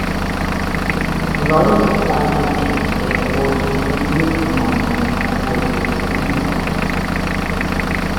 The Royal Society of Chemistry awards the Ludwig Mond Award in his honour.